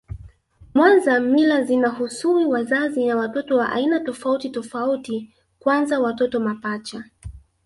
Mwanza mila zinahusui wazazi na watoto wa aina tofauti tofauti kwanza watoto mapacha